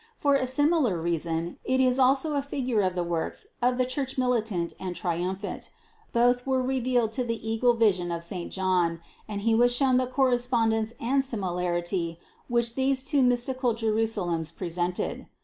For a similar reason it is also a figure of the works of the Church militant and triumphant; both were revealed to the eagle vision of saint John and he was shown the correspondence and similarity which those two mystical Jerusalems presented.